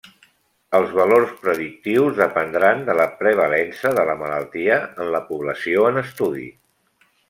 Els valors predictius dependran de la prevalença de la malaltia en la població en estudi.